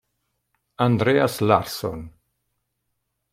Andreas Larsson